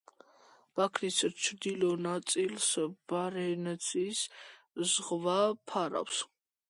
ბაქნის ჩრდილო ნაწილს ბარენცის ზღვა ფარავს.